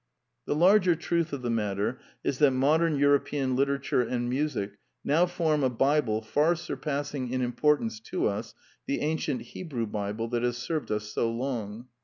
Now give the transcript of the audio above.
The larger truth of the matter is that modern European literature and music now form a Bible far surpassing in importance to us the ancient Hebrew Bible that has served us so long.